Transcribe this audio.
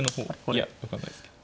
いや分かんないですけど。